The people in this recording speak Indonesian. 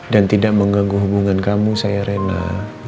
dan tidak mengganggu hubungan kamu saya renan